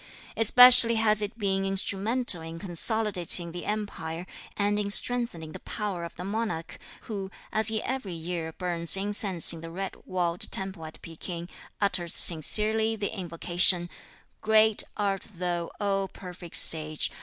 Especially has it been instrumental in consolidating the empire, and in strengthening the power of the monarch, who, as he every year burns incense in the red walled temple at Pekin, utters sincerely the invocation: "Great art thou, O perfect Sage!